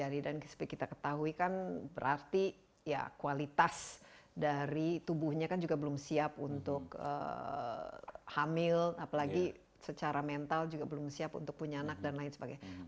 dan seperti kita ketahui kan berarti ya kualitas dari tubuhnya kan juga belum siap untuk hamil apalagi secara mental juga belum siap untuk punya anak dan lain sebagainya